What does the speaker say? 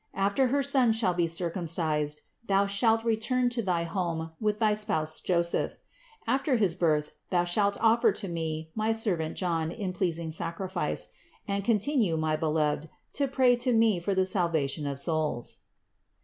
After her son shall be circumcised, thou shalt return to thy home with thy spouse Joseph. After his birth thou shalt offer to Me my servant John in pleasing sacrifice; and continue, my Beloved, to pray to Me for the salvation of souls."